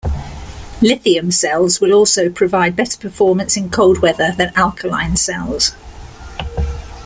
Lithium cells will also provide better performance in cold weather than alkaline cells.